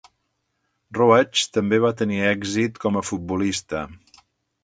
Roach també va tenir èxit com a futbolista.